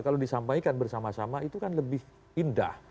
kalau disampaikan bersama sama itu kan lebih indah